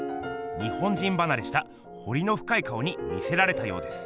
日本人ばなれしたほりのふかい顔に魅せられたようです。